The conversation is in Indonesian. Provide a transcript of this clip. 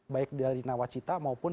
baik dari nawacita maupun